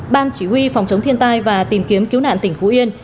ban chỉ huy phòng chống thiên tai và tìm kiếm cứu nạn tỉnh phú yên